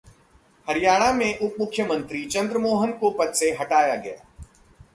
हरियाणा के उप मुख्यमंत्री चंद्रमोहन को पद से हटाया गया